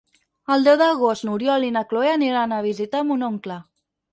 El deu d'agost n'Oriol i na Cloè aniran a visitar mon oncle.